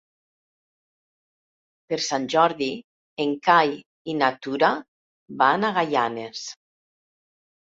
Per Sant Jordi en Cai i na Tura van a Gaianes.